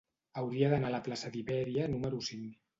Hauria d'anar a la plaça d'Ibèria número cinc.